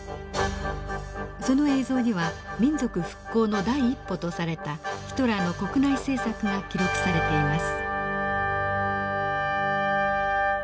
その映像には民族復興の第一歩とされたヒトラーの国内政策が記録されています。